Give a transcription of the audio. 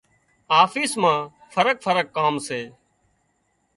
آفيس مان فرق فرق ڪام سي۔